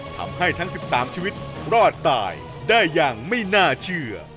ทำให้ทั้ง๑๓ชีวิตรอดตายได้อย่างไม่น่าเชื่อ